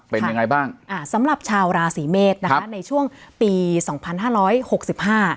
เป็นยังไงบ้างอ่าสำหรับชาวราศีเมษนะคะในช่วงปีสองพันห้าร้อยหกสิบห้า